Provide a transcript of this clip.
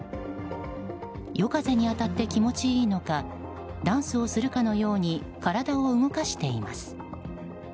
夜風に当たって気持ちいいのかダンスをするかのように体を動かしています。